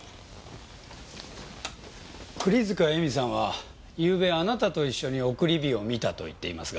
栗塚エミさんはゆうべあなたと一緒に送り火を見たと言っていますが。